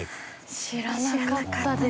知らなかったです。